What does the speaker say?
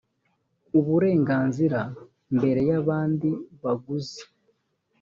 uburenganzira mbere y abandi baguzi